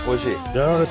やられた。